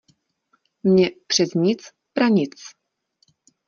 Mně přec nic, pranic!...